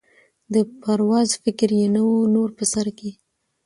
د پرواز فکر یې نه وو نور په سر کي